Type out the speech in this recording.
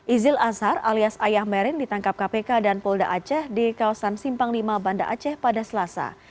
izil azhar alias ayah merin ditangkap kpk dan polda aceh di kawasan simpang lima banda aceh pada selasa